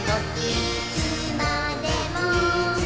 いつまでも。